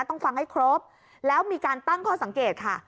ต้องฟังให้ครบแล้วมีการตั้งข้อสังเกตค่ะ